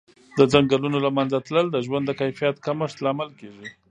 د ځنګلونو له منځه تلل د ژوند د کیفیت کمښت لامل کېږي.